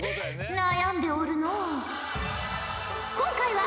悩んでおるのう。